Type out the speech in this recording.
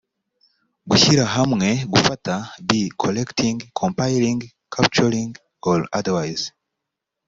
gushyira hamwe gufata b collecting compiling capturing or otherwise